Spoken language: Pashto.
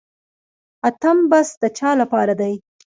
اتم بست د چا لپاره دی؟